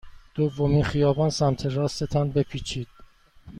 دومین خیابان سمت راست تان بپیچید.